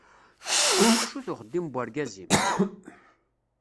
Acu-t uxeddim n urgaz-im?